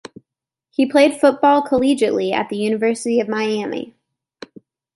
He played football collegiately at the University of Miami.